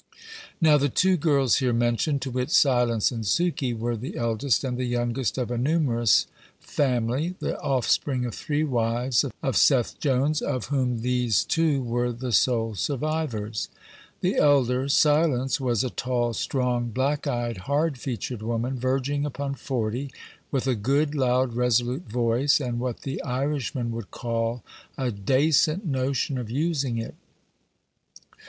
Now, the two girls here mentioned (to wit, Silence and Sukey) were the eldest and the youngest of a numerous, family, the offspring of three wives of Seth Jones, of whom these two were the sole survivors. The elder, Silence, was a tall, strong, black eyed, hard featured woman, verging upon forty, with a good, loud, resolute voice, and what the Irishman would call "a dacent notion of using it."